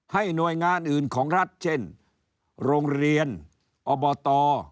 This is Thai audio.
หน่วยงานอื่นของรัฐเช่นโรงเรียนอบต